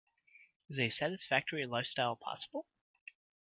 Is a satisfactory life-style possible?